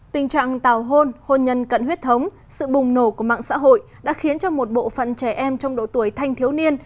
tình trạng tào hôn hôn nhân cận huyết thống sự bùng nổ của mạng xã hội đã khiến cho một bộ phận trẻ em trong độ tuổi thanh thiếu niên